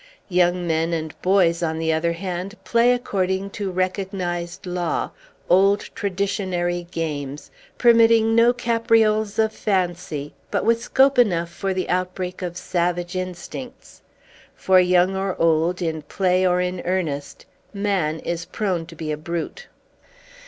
Young men and boys, on the other hand, play, according to recognized law, old, traditionary games, permitting no caprioles of fancy, but with scope enough for the outbreak of savage instincts. For, young or old, in play or in earnest, man is prone to be a brute.